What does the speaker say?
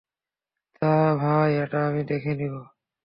ভাই, এটা আমি দেখে নিব।